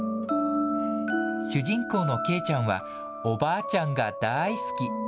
主人公のケイちゃんは、おばあちゃんが大好き。